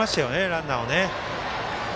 ランナーをね。